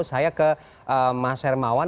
saya ke mas hermawan